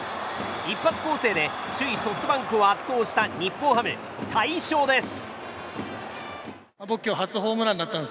一発攻勢で首位ソフトバンクを圧倒した日本ハム、大勝です。